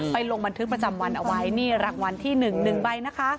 ลงบันทึกประจำวันเอาไว้นี่รางวัลที่๑๑ใบนะคะ